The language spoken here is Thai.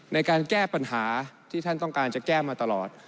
ในการแก้ปัญหาที่ท่านต้องการจะแก้มาตลอด